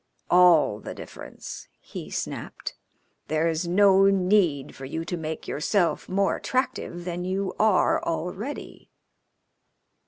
"All the difference," he snapped. "There is no need for you to make yourself more attractive than you are already."